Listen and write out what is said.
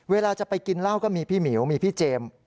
เวลาจะไปกินเหล้าก็มีพี่หมิวมีพี่เจมส์